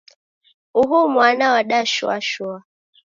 Uhu mwana wadashoashoa